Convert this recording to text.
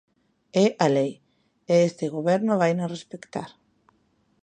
É a lei, e este goberno vaina respectar.